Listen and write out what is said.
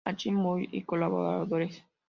Achim Müller y colaboradores.